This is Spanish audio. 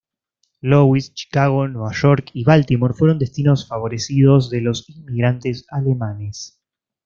Louis, Chicago, Nueva York y Baltimore fueron destinos favorecidos de los inmigrantes alemanes.